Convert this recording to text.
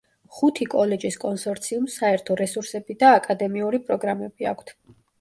ხუთი კოლეჯის კონსორციუმს საერთო რესურსები და აკადემიური პროგრამები აქვთ.